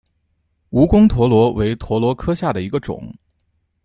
蜈蚣蛇螺为蛇螺科下的一个种。